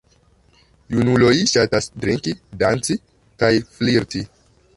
Junuloj ŝatas drinki, danci kaj flirti.